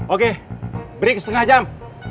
oke break setengah jam